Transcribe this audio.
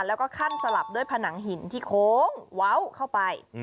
แล้วก็ขั้นสลับด้วยผนังหินที่โค้งเว้าเข้าไป